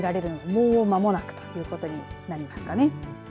もう間もなくということになりますかね。